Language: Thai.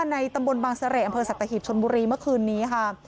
ในตำบลบางเสร่อำเภอสัตหีบชนบุรีเมื่อคืนนี้ค่ะ